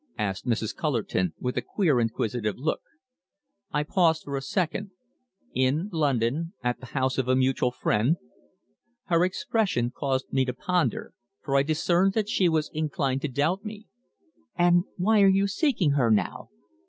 asked Mrs. Cullerton, with a queer inquisitive look. I paused for a second. "In London at the house of a mutual friend." Her expression caused me to ponder, for I discerned that she was inclined to doubt me. "And why are you seeking her now?"